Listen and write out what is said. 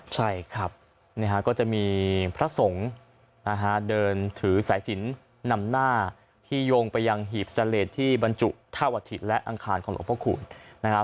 ใช่ครับก็จะมีพระสงฆ์นะฮะเดินถือสายสินนำหน้าที่โยงไปยังหีบเสลดที่บรรจุท่าวถิตและอังคารของหลวงพระคูณนะครับ